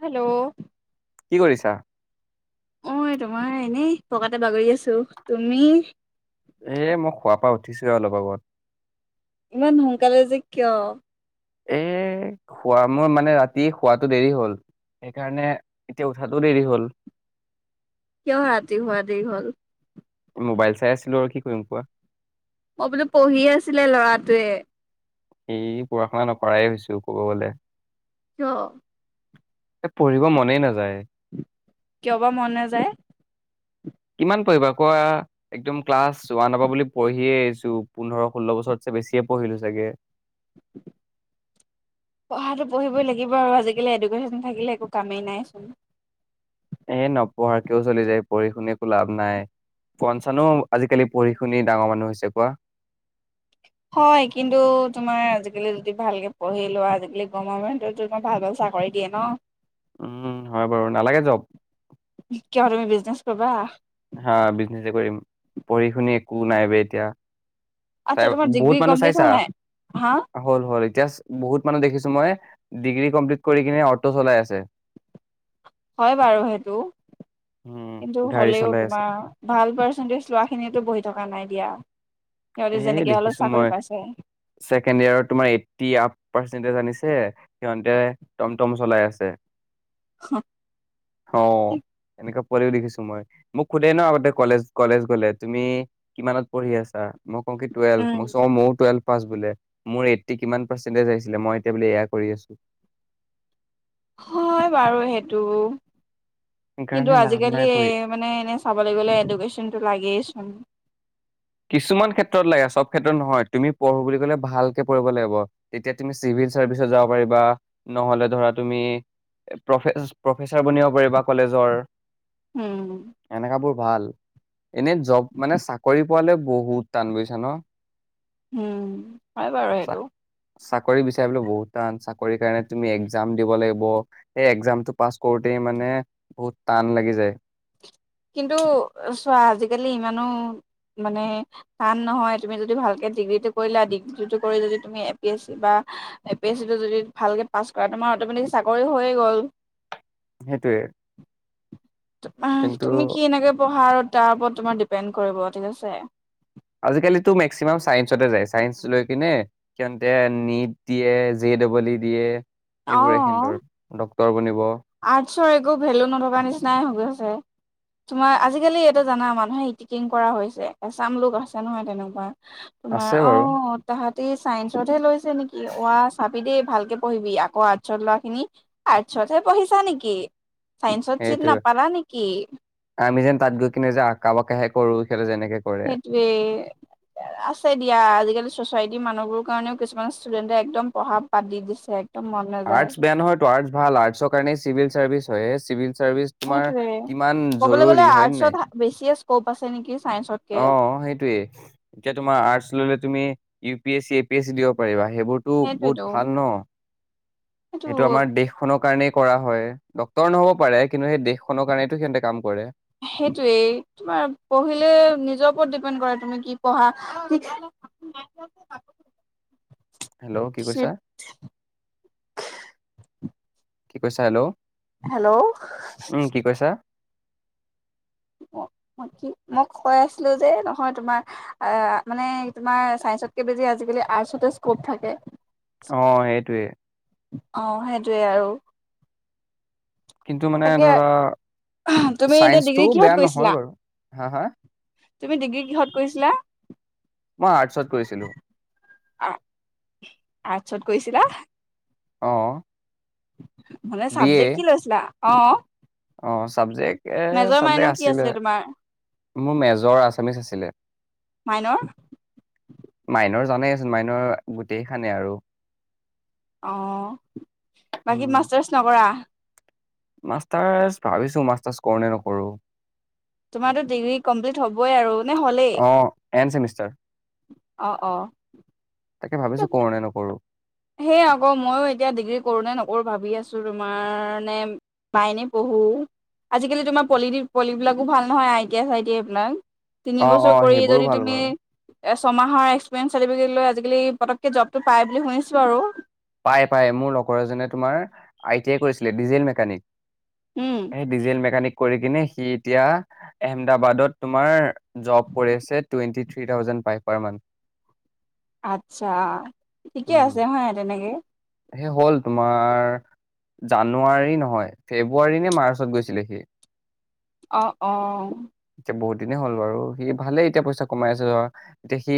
Hello কি কৰিছা অ এ তোমাৰ এনেই পকাতেই বাগৰি আছো তুমি এ মই শোৱাৰ পৰা উঠিছোঁ হে অলপ আগত ইমান সোনকালে যে কিয় এ খোৱা মোৰ মানে ৰাতি শোৱটো দেৰি হ'ল সেইকাৰণে এতিয়া উঠাতটো দেৰি হ'ল কিয় ৰাতি হোৱা দেৰি হল মোবাইল চাই আছিলো আৰু কি কৰিম কোৱা অ বোলো পঢ়ি আছিলে ল'ৰাটোৱে এই পঢ়া শুনা নকৰাই হৈছো কবলে অ পঢ়িব মনেই নাযায় কিয় বা মন নাযায় কিমান পঢ়িবা কোৱা একদম ক্লাছ ওৱানৰ পৰা বুলি পঢ়িয়ে আহিছো পোন্ধৰ ষোল্ল বছৰতছে বেছিয়ে পঢ়িলো চাগে। [unintelligible] পঢ়াটো পঢ়িবই লাগিব আৰু আজিকালি এডুকেশ্যন থাকিলে একো কামেই নাই এ নপঢ়াকেও চলি যায় পঢ়ি শুনি একো লাভ নাই কোন চানো আজিকালি পঢ়ি শুনি ডাঙৰ মানুহ হৈছে কোৱা হয় কিন্তু তোমাৰ আজিকালি যদি ভালকে পঢ়ি লোৱা আজিকালি গৰমেন্টত তোমাৰ ভাল ভাল চাকৰি দিয়ে ন উম হয় বাৰু নালাগে জব। কিয় তুমি বিজনেছ কৰিবা। হা বিজনেচ কৰিম পঢ়ি শুনি একো নাই বে এতিয়া চাই আচ্ছা তোমাৰ বহুত ডিগ্ৰী মানুহ কমপ্লিট চাইছা হ'ল নাই হা হল হল এতিয়া বহুত মানুহ দেখিছো মই ডিগ্ৰী কমপ্লিট কৰি কিনে অট চলাই আছে হয় বাৰু সেইটো উম কিন্তু গাড়ী হলেও চলাই আছে তোমাৰ ভাল পাৰ্চেন্টেজ লোৱা খিনিটো বহি থকা নাই দিয়া সিহঁতি এ যেনেকে হ'লেও দেখিছো চাকৰি মই পাইছে। ছেকেণ্ড ইয়াৰ তোমাৰ এইটটি আপ পাৰ্চন্টেজ আনিছে ছে সিহঁতে টম টম চলাই আছে। অ মেকাপ পঢিও দেখিছো মই মোক সোধে ন আগতে কলেজ কলেজ গলে তুমি কিমানত পঢ়ি আছা মই কওঁ কি টেৱেলভ মই চ উম। মোৰো টুৱেলভ পাচঁ বোলে মোৰ এইটটি কিমান পাৰ্চেণ্টজ আহছিলে মই এতিয়া বেব্জয়া কৰি আছো হয় বাৰু সেহটো সেইকাৰণে কিন্তু লাভ আজিকালি নাই পঢ়ি মানে এনে চাবলৈ গ'লে এডুকেশচনটো লাগেইচোন কিছুমান ক্ষেত্ৰত লাগে চব ক্ষেত্ৰত নহয় তুমি পঢ়ো বুলি লে ভালকে পঢ়িব লাগিব। তেতিয়া তুমি চিভিল চাৰ্ভিচত যাব পাৰিবা নহ'লে ধৰা তুমি প্ৰ প্ৰফেচাৰ বনিব পাৰিবা কলেজৰ উম এনেকাবোৰ ভাল এনে জব মানে চাকৰি পোৱালে বহুত টান গৈছা ন উম হয় বাৰু চা সেইটো চাকৰি বিচাৰিবলৈ বহুত টান চাকৰি কাৰণে তুমি এক্জাম দিব লাগিব সেই এক্জামটো পাছ কৰোতে মানে বহুত টান লাগি যায় কিন্তু চোৱা আজিকালি ইমানো মানে টান নহয় তুমি যদি ভালকে ডিগ্ৰীটো কৰিলা ডিগ্ৰী কৰি যদি তুমি এ পি এছ চি বা এ পি এছ চিটো যদি ভালকে পাছ কৰা তোমাৰ অট'মেটিক চাকৰি হৈয়ে গ'ল সেইটোৱেই তুমি কি এনেকে পঢ়াৰত তাৰ ওপৰত তোমাৰ ডিপেণ্ড কৰিব ঠিক আছে আজিকালিতো মেক্সিমাম চাইন্স‌অটে‌ যায় চাইন্স লৈ কিনে সিয়তে নিট দিয়ে জে ডবল ই দিয়ে এইবোৰে কিন্তু অ'। ত আৰ্টছৰ একো ভেলু নথকা নিচিনাই হৈ গৈছে তোমাৰ আজিকালি এইটো জানা মানুহে ইটিকিং কৰা হৈছে এছাম লোক আছে নহয় তেনেকুৱা তোমাৰ আছে বাৰু অঁ তাহাত ত চাইন্সত হে লৈছে নেকি অঁ চাবি দেই ভালকে পঢ়িবি আকৌ আৰ্টছত লৰা খিনি আৰ্টছত হে পঢ়িছা নেকি চাইন্সত চিত‌‌ সেইটোৱে নাপালা নেকি আমি যেন তাত গৈ কিনে যে আকাকে সেইটোৱে আছে দিয়া আজিকালি চ'চাইটিৰ মানুহবোৰৰ কাৰণেও কিছুমান ষ্টুডেন্টে একদম পঢ়া বাদ দি দিছে একদম মন নাযায় আৰ্টছ বেয়া নহয় তো আৰ্ট ভাল আৰ্টছৰ কাৰণে চিভিল চাৰ্ভিচ হয়ে চিভিল চিভিল চাৰ্ভিছ তোমাৰ সেইটোৱে কিমান জৰুৰী হয়নাই ক' আছে নেকি চাইন্সতকে অঁ সেইটোয়ে এতিয়া তোমাৰ আৰ্টচ ললে তুমি U P S A পিছি দিব পাৰিব সেইবোৰতো সেইটোৱেতো বহুত ভাল ন সেইটো এইয়া আমাৰ দেশখনৰ কাৰণে কৰা হয় ডক্তৰ নহ'ব পাৰে কিন্তু সেই দেশখনৰ কাৰণেতো সিহঁতে কাম কৰে সেইটোৱেই তোমাৰ পঢ়িলে নিজৰ ওপৰত ডিপেণ্ড কৰে তুমি কি পঢ়া হেল্ল' কি কৈছা চিট কি কৈছা হেল্ল' হেল্ল' উম কি কৈছা কি মই কৈ আছিলোঁ যে নহয় তোমাৰ মানে তোমাৰ চাইন্সতকে বেছি আজিকালি আৰ্টছতে স্কপ থাকে অ সেইটোৱে অ সেইটোৱে আৰু কিন্তু মানে তাকে ধৰা তুমি এতিয়া ডিগ্ৰী চাইন্সটোও কিহত বেয়া কৰিছিলা নহয় বাৰু হা হা তুমি ডিগ্ৰী কিহত কৰিছিলা? মই আৰ্টছত কৰিছিলো আ আৰ্টছত কৰিছিলা? অহ অ মানে চাবজেক্ট কি লৈছিলা? অঁ অ চাবজেক্ট এ চাবজেক্ট কি আছিলে তোমাৰ মোৰ মেজৰ আছামিছ আছিলে মাইনৰ জানাই চোন মাইনৰ গোটেই কেইখনেই আৰু অঁ বাকী মাষ্টাৰ্চ নকৰা? মাষ্টাৰছ ভাবিছো মাষ্টাৰছ কৰো নে নকৰো তোমাৰতো ডিগ্ৰী কমপ্লিট হ'বই আৰু নে হ'লেই অ এন চেমিষ্টাৰ অ অ তাকে ভাবিছো কৰোঁ নে নকৰোঁ সে আকৌ ময়ো এতিয়া ডিগ্ৰী কৰো নে নকৰো ভাবি আছো তোমাৰ নে লাইনে পঢ়ো, আজিকালি তোমাৰ পলি পলিবিলাকো ভাল নহয় আই টি আই চাইটিআই বিলাক তিনি অ বছৰ অ কৰি সেইবোৰো যদি ভাল তুমি বাৰু ছমাহৰ এক্সপিৰিয়েঞ্চ চাৰটিফিকেট লৈ আজিকালি পতককে জবটো পাই বুলি শুনিছো আৰু পাই পাই মোৰ লগৰ এজনে তোমাৰ আই টি আই কৰিছিলে ডিজেল মেকানিক উম সে ডিজেল মেকানিক কৰি কিনে সি এতিয়া আহমেদাবাদত তোমাৰ জব কৰি আছে টুৱেণ্টি থ্ৰী থাউজেন্দ পাই পাৰ মান্থ আচ্ছা ঠিকে উম আছে হয় নাই তেনেকে সেই হ'ল তোমাৰ জানুৱাৰী নহয় ফেব্ৰুৱাৰী নে মাৰ্চত গৈছিলে সি অঁ অঁ এতিয়া বহুত দিনেই হ'ল বাৰু সি ভালেই এতিয়া পইচা কমাই আছে ধ এতিয়া সি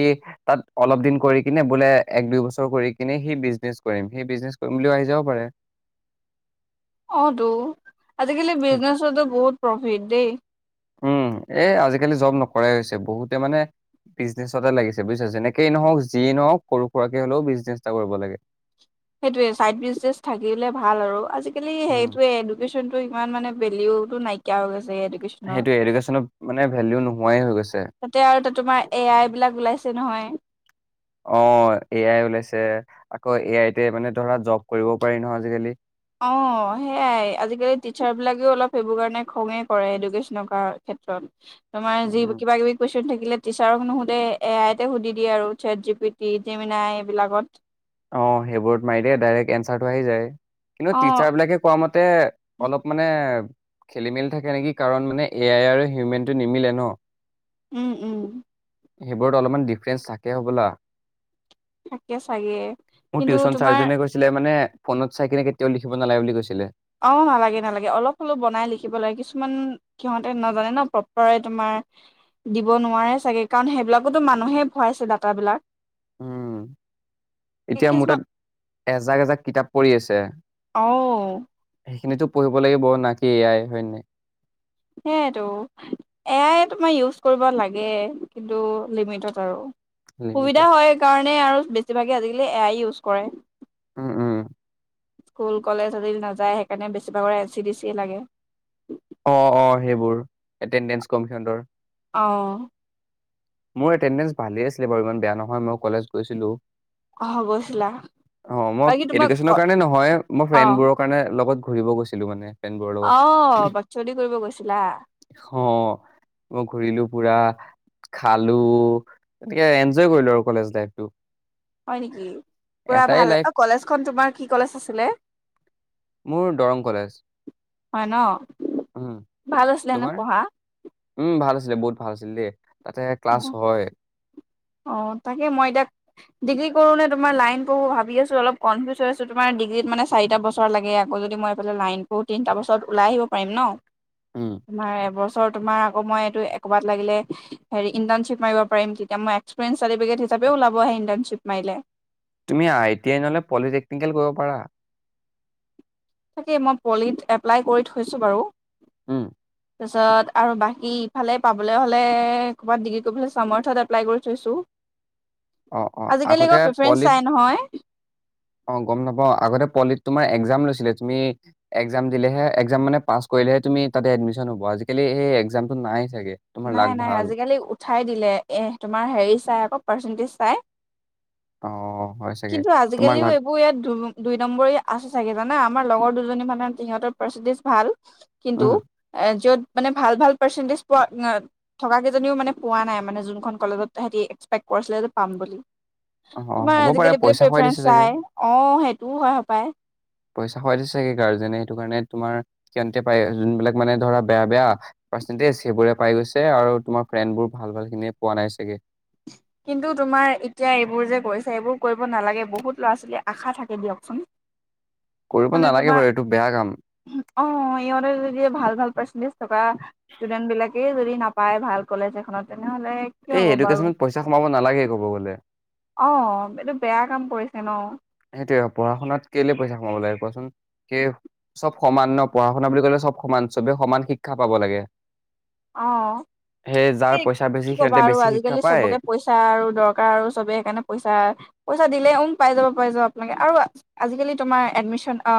তাত অলপ দিন কৰি কিনে বোলে এক দুই বছৰ কৰি কিনি সি বিজনেছ কৰিম, সি বিজনেছ কৰিম বুলি আহি যাবও পাৰে অ তো আজিকালি বিজনেছতো বহুত প্ৰফিট দেই উম এ আজিকালি জব নকৰাই হৈছে বহুতে মানে বিজনেছতে লাগিছে বুজিছা, যেনেকেই নহওক যিয়েই নহওক সৰু সুৰাকে হলেও বিজনেছ এটা কৰিব লাগে সেইটোৱে চাইড বিজনেছ থাকিলে ভাল আৰু আজি কালি উম, সেইটোৱে এডুকেশ্বন ইমান মানে ভেলিওটো নাইকিয়া হৈ গৈছে এডোকেচনৰ, সেইটোয়ে এডুকেশ্যনত মানে ভেলিউ নোহোৱাই হৈ গৈছে। তাতে আৰু তোমাৰ এ আই বিলাক ওলাইছে নহয় অ', এ আই ওলাইছে আকৌ এ আই টে মানে ধৰা জব কৰিব পাৰি নহয় আজিকালি অ সেইয়াই আজিকালি টিচাৰ বিলাকেও অলপ সেইবোৰ কাৰণে খঙে কৰে এডুকেশ্যন ক্ষেত্ৰত তোমাৰ যি উম, কিবা কিবি কৈ থাকিলে টিচাৰক নু সুধে এ আইতে সুধি দিয়ে আৰু চেট জি পি টিমই এইবিলাকত অ সেইবোৰত মাৰি দিয়ে ডাইৰেক্ট এন্চাৰটো আহি যায় কিন্তু অ টিচাৰ বিলাকে কোৱা মতে তাতে অলপ মানে খেলি মেলি থাকে নেকি কাৰণ মানে এ আই আৰু হিউমেন টো নিমিলে ন উম উম সেইবোৰত অলপমান ডিফাৰেন্ঞ্চ থাকে হ'বলা থাকে চাগে মোৰ কিন্তু টিউচন তোমাৰ চাৰ্জেনে কৈছিলে মানে ফোনত চাই কিনে কেতিয়াও লিখিব নালে বুলি কৈছিলে অ নালাগে নালাগে অলপ হলেওবনাই লিখিব লাগে কিছুমান সিহঁতে নাজানে ন প্ৰপাৰে তোমাৰ দিব নোৱাৰে চাগে কাৰণ সেইবিলাকতো মানুহে ভৰাইছে ডাটাবিলাক উম এতিয়া মোৰ কিছুমান তাত এজাক এজাক কিতাপ পঢ়ি আছে অও সেইখিনো পঢ়িব লাগিব ব নাকি এয়াই হয় নাই সেইয়োতো এয়াই তোমাৰ ইউজ কৰিব লাগে কিন্তু লিমিটত আৰু সুবিধা লিমিটত হয় কাৰণে মানে আৰু বেছিভাগে আজিকালি এয়াই ইউজ কৰে উম উম স্কুল কলেজ আদি নাযায় সেইকাৰণে বেছিভাগৰ এন চি ডি চি লাগে অঁ অঁ সেইবোৰ এটেনডেঞ্চ কমিশন অহ মোৰ এটেডেঞ্চ ভালেই আছিলে বাৰু ইমান বেয়া নহয় মই কলেজ গৈছিলো আহ গৈছিলা অ মই বাকী তোমাক এডুকেচনৰ কাৰণে নহয় মই অ ফ্ৰেডবোৰৰ কাৰণে লগত ঘূৰিব গৈছিলো মানে ফ্ৰনবোৰ অ লগত বাকচদি কৰিব গৈছিলা অঁ মই ঘূৰিলো পুৰা অ খালো এনেকে এনজয় কৰিলো আৰু কলেজ লাইফ টো হয় নেকি পুৰা ভাল লাইফ অ কলেজখন তোমাৰ কি কলেজ আছিলে মোৰ দৰং কলেজ হয় ন উম ভাল আছিলে নে তোমাৰ? পঢ়া উম ভাল আছিলে বহুত ভাল আছিলে দেই তাতে অ ক্লাছ হয় অ তাকে মই এতিয়া ডিগ্ৰী কৰোঁনে তোমাৰ লাইন পঢ়োঁ ভাবি আছোঁ অলপ কনফিউজ হৈ আছোঁ তোমাৰ ডিগ্ৰীত মানে চাৰিটা বছৰ লাগে আকৌ যদি মই এইফালে লাইন পঢ়োঁ তিনিটা বছৰত ওলাই আহিব পাৰিম ন উম। তোমাৰ এবছৰ তোমাৰ আকৌ মই এইটো ক'ৰবাত লাগিলে হেৰি ইণ্টাৰ্ণশ্বিপ মাৰিব পাৰিম তেতিয়া মই একসপেয়ঞ্চাৰ্টফিকে হিচাপওল আহ ইণ্ট্শ্বপ মাৰে তুমি আই টি আই নহ'লে পলিটেকনিকেল কৰিব পাৰা। তাকেই মই পলিত এপ্লাই কৰি থৈছো বাৰু আহ তাৰপিছত আৰু বাকী ইফালে পাবলৈ হ'লে ক'ৰবাত ডিগ্ৰী কৰিব চামৰ্থত এপ্লাই কৰি থৈছোঁ অ অ আগতে পলিত চাই নহয় অ গম নাপা আগতে পলিত তুমাৰ একাম লৈছিলে তুমি একাম দিলেহে এক মানে পাছ কৰিলেহে তুমি তাতে এডমিশন হ'ব আজিকালি সেই একামটো নাই চাগে। তোমাৰ নাই লাক নাই ভাল, আজিকালি উঠ উঠাই দিলে এ তোমাৰ হেৰি চাই আকৌ পাৰ্চেণ্টেজ চাই অ', হয় চাগে, কিন্তু তোমাৰ আজিকালিও লাক এইবোৰ ইয়াত দু দুই নম্বৰ আছে চাগে জানা আমাৰ লগৰ দু মানে সিহতৰ পাৰ্চেণ্টেজ ভাল কিন্তু উম, এ যত মানে ভাল ভাল পাৰ্চেণ্টেজ পোৱা থকা কেইজনীও মানে পোৱা নাই মানে যোনখন কলেজত সিহতি এক্সপেক্ট কৰিছিলে যে পাম বুলি অ', তোমাৰ হ'ব পাৰে আজিকালি বোলে পইচা খুৱাই প্ৰেফেৰেঞ্চ দিছে চাগে। চাই অ সেইটোও হয় সোপায় পইচা খুৱাই দিছে চাগে গাৰ্জেনে সেইটো কাৰণে তোমাৰতে পাই যোনবিলাক মানে ধৰা বেয়া বেয়া পাৰ্চেন্টেজ সেইবোৰে পাই গৈছে আৰু তোমাৰ ফ্ৰেণ্ডবোৰ ভাল ভাল খিনি পোৱা নাই চাগে কিন্তু তোমাৰ এতিয়া এইবোৰ যে কৰিছা এইবোৰ কৰিব নালাগে বহুত ল'ৰা ছোৱালীৰ আশা থাকে দিয়কচোন কৰিব মানে নালাগে বাৰু এইটো বেয়া কাম তোমাৰ অ সিহঁতে যদি ভাল ভাল পাৰ্চেন্টেজ থকা ষ্টুডেন্ট বিলাক তাক যদি নাপায় ভাল কলেজ এখনতে তেনেহলে কি এই হ'ব বাৰু এডুকেশ্যনত পইচা সোমাব নালাগে ক'ব গ'লে অ এইটো বেয়া কাম কৰিছে ন সেইটোয়ে পঢ়া শুনাত কেলে পইচা কমাব লাগে কোৱাচোন সেই চব সমান ন পঢ়া শুনা বুলি কলে চব সমান চবে সমান শিক্ষা পাব লাগে অ সেই যাৰ হে পইচা বেছি কি কবা সিহঁতে আৰু বেছি শিক্ষা আজিকালি পায় চবকে পইছা আৰু দৰকাৰ আৰু চবে সেইকাৰণে পইছা পইছা দিলে পাই যাব পাই যাব আপোনোকে আৰু আজিকালি তোমাৰ এডমিশ্যন অ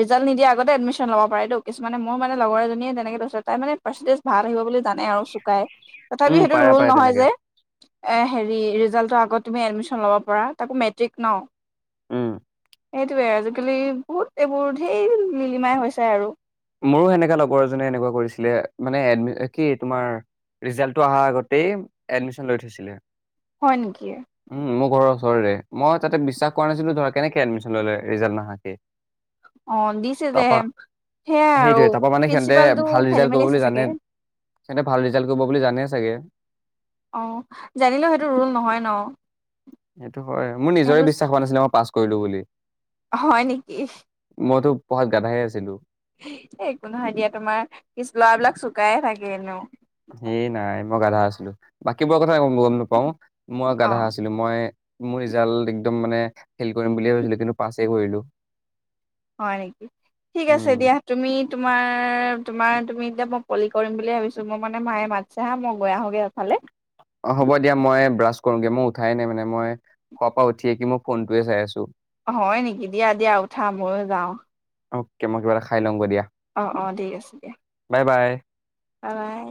ৰিজাল্ট নিদিয়া আগতে এডমিশন লব পাৰেে' কিছুমানে মোৰো মানে লগৰ এজনীয়ে তেনেকৈ কৈছিল তাই মানে পাৰ্চণ্টেজ ভাল আহিব বুলি জানে আৰু চুকাই তথাপি উম সেইটো পাৰে ৰোল পাৰে নহয় তেনেকে যে এ সেৰি ৰিজাল্টো আকৌ তুমি এডমিচন ল'ব পাৰা তাকো মেট্ৰিক ন উম সেইটোৱে আজিকালি বহুত এইবোৰ ঢেৰ লিলিমাই হৈছে আৰু মোৰো সেনেকা লগৰ এজনে এনেকুৱা কৰিছিলে মানে কি তোমাৰ ৰিজাল্টো অহাৰ আগতে এডমিচন লৈ থৈছিলে হয় নেকি? উম মোৰ ঘৰৰ মই তাতে বিশ্বাস কৰা নাছিলো ধৰা কেনেকৈ এডমিচন ললে ৰিজাল্ট নাহাকে অ দিছে যে সে সেইটোৱে তাৰ পৰা মানে সিহঁতে ভাল ৰিজাল্ট কৰিব আছে বুলি চাগে জানে সিহঁতে ভাল ৰিজাল্ট কৰিব বুলি জানে চাগে অঁ জানিলেও সেইটো ৰোল নহয় ন সেইটো হয় মোৰ সেইটো নিজৰে বিশ্বাস হোৱা নাছিলে মই পাছ কৰিলো বুলি হয় নেকি মইতো পঢ়াত গাধা আছিলো একো নহয় দিয়া তোমাৰ পিছ লৰাবিলাক চুকাই হয় েন [inaudible] বাকীবোৰ কথা গম নাপাও মই অ গাধা আছিলো মই মোৰ ৰিজাল্ট একদম মানে ফেইল কৰিম বুলিয়ে ভাবিছিলো কিন্তু পাছে কৰিলো। হয় নেকি ঠিক আছে উম দিয়া তুমি তোমাৰ তোমাৰ তুমিতিয়া। কলি কৰিম বুলি ভাবিছো মোৰ মানে মায়ে মাতিছে হা মই গৈ আহোঁগৈ এফালে। অ হ'ব দিয়া মই ব্ৰাছ কৰোগে মই উঠাই নাই মানে মই শোৱাৰ পৰা উঠি আহিয়ে মই ফোনটোয়ে চাই আছো। হয় নেকি দিয়া দিয়া উঠা ময়ো যাওঁ। অকে মই কিবা এটা খাই লওঁ গৈ দিয়া। অ অ ঠিক আছে দিয়া বা বাই বাবাই।